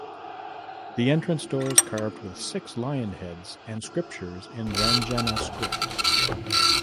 The entrance door is carved with six lion heads and scriptures in Ranjana script.